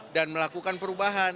dan melakukan perubahan